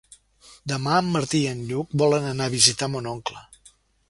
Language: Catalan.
Demà en Martí i en Lluc volen anar a visitar mon oncle.